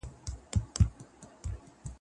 زه پرون نان خورم!؟